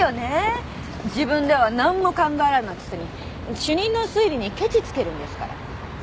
自分では何も考えられないくせに主任の推理にケチつけるんですから。